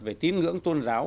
về tín ngưỡng tôn giáo